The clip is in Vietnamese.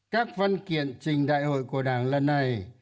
các văn kiện trình đại hội của đảng lần này